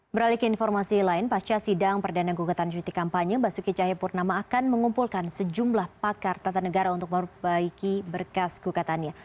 beralik informasi lain pasca sidang perdana gugatan cuti kampanye basuki cahayapurnama akan mengumpulkan sejumlah pakar tata negara untuk memperbaiki berkas gugatannya